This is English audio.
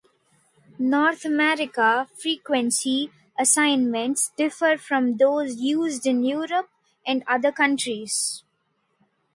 North American frequency assignments differ from those used in Europe and other countries.